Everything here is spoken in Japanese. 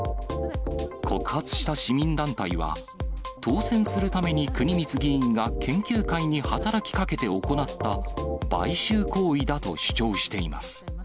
告発した市民団体は、当選するために国光議員が研究会に働きかけて行った買収行為だと主張しています。